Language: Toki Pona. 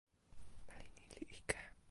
meli ni li ike.